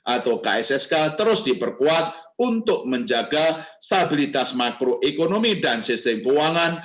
atau kssk terus diperkuat untuk menjaga stabilitas makroekonomi dan sistem keuangan